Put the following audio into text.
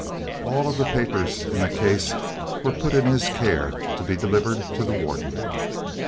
All of the papers in the case were put in his care to be delivered to the warden.